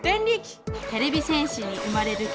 てれび戦士に生まれるき